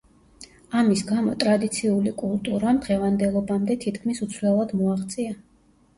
ამის გამო ტრადიციული კულტურამ დღევანდელობამდე თითქმის უცვლელად მოაღწია.